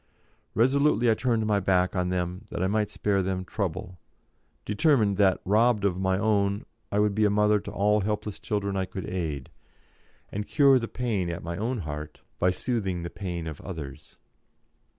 Resolutely I turned my back on them that I might spare them trouble, and determined that, robbed of my own, I would be a mother to all helpless children I could aid, and cure the pain at my own heart by soothing the pain of others.